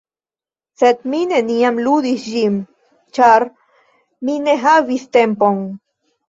sed mi neniam ludis ĝin, ĉar mi ne havis tempon.